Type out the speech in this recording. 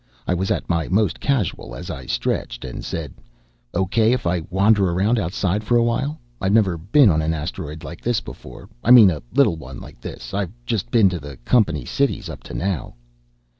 I was at my most casual as I stretched and said, "Okay if I wander around outside for a while? I've never been on an asteroid like this before. I mean, a little one like this. I've just been to the company cities up to now."